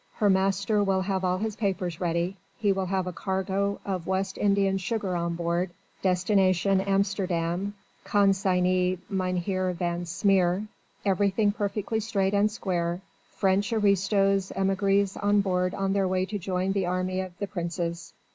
Her master will have all his papers ready. He will have a cargo of West Indian sugar on board destination Amsterdam, consignee Mynheer van Smeer everything perfectly straight and square. French aristos, émigrés on board on their way to join the army of the Princes.